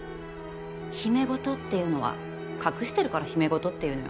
秘め事っていうのは隠してるから秘め事って言うのよ。